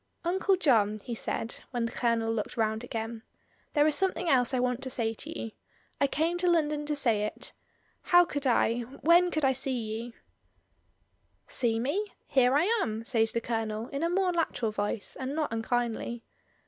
"Uncle John," he said, when the Colonel looked round again. "There is something else I want to say to you. I came to London to say it How could I — when could I see you?" "See me! here I am," says the Colonel, in a more natural voice, and not unkindly.